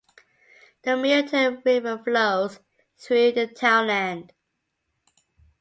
The Milltown River flows through the townland.